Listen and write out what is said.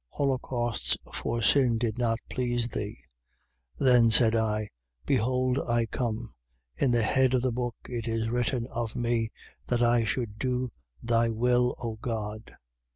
10:6. Holocausts for sin did not please thee. 10:7. Then said I: Behold I come: in the head of the book it is written of me: that I should do thy will, O God.